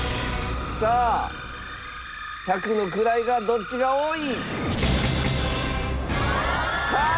さあ百の位がどっちが多い？